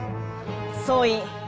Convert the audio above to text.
総員